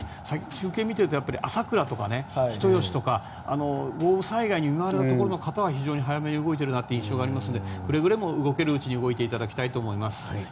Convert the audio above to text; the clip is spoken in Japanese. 中継を見ていると朝倉とか人吉とか豪雨災害に見舞われたところの方は、早めに動いている印象があるのでくれぐれも動けるうちに動いていただきたいと思います。